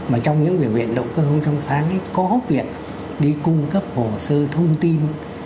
mà trong những biểu viện động cơ không trong sáng có việc đi cung cấp hồ sơ thông tin